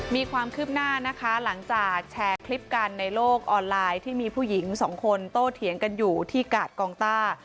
มีความคืบหน้านะคะหลังจากแชร์คลิปกันในโลกออนไลน์ที่มีผู้หญิงสองคนโตเถียงกันอยู่ที่กาดกองต้า